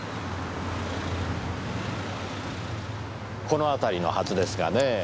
この辺りのはずですがねぇ。